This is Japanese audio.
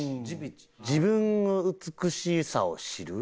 自分の美しさを知る？